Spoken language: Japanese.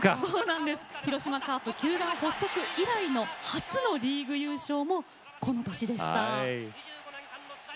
広島カープ球団発足後初のリーグ優勝も、この年でした。